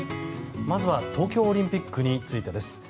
まずは東京オリンピックについてです。